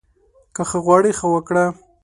که ښه غواړې، ښه وکړه